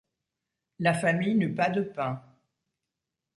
La famille n’eut pas de pain.